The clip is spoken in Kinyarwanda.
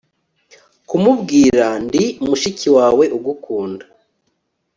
Kumubwira Ndi mushiki wawe ugukunda